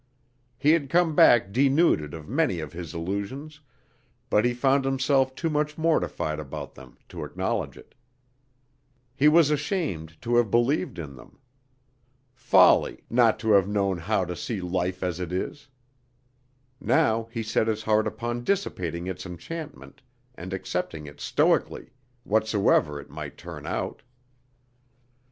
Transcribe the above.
He had come back denuded of many of his illusions, but he found himself too much mortified about them to acknowledge it. He was ashamed to have believed in them. Folly, not to have known how to see life as it is! Now he set his heart upon dissipating its enchantment and accepting it stoically, whatsoever it might turn out.